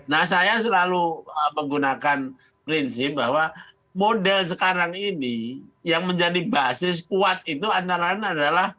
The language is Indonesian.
nah saya selalu menggunakan prinsip bahwa model sekarang ini yang menjadi basis kuat itu antara lain adalah